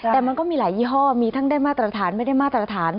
แต่มันก็มีหลายยี่ห้อมีทั้งได้มาตรฐานไม่ได้มาตรฐาน